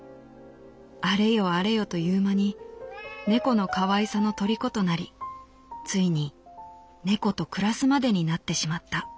あれよあれよという間に猫の可愛さのとりことなり遂に猫と暮らすまでになってしまった」。